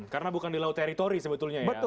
karena bukan di laut teritori sebetulnya ya pak imanto